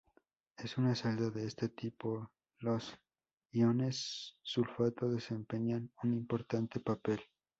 En una celda de este tipo, los iones sulfato desempeñan un importante papel.